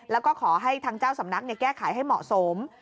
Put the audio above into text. แล้วก็ขอให้ทางเจ้าสำนักแก้ไขให้เหมาะสม